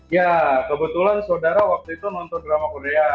ya kebetulan saudara waktu itu nonton drama korea